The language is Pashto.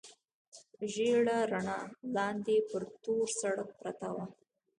ژېړه رڼا، لاندې پر تور سړک پرته وه.